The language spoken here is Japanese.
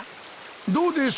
どうです？